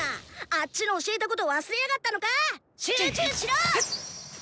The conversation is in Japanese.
あッチの教えたことを忘れやがったのか⁉集中しろ！